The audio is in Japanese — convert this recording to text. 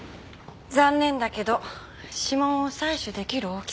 残念だけど指紋を採取できる大きさじゃない。